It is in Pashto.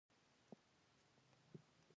په افغانستان کې تودوخه شتون لري.